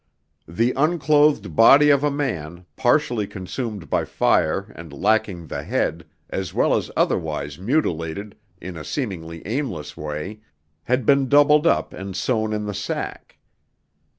The unclothed body of a man, partially consumed by fire and lacking the head, as well as otherwise mutilated in a seemingly aimless way, had been doubled up and sewn in the sack.